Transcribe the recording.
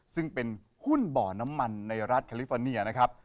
ซึ่งเป็นหุ้นบ่อน้ำมันในรัฐแคลิฟอร์เนียนะครับ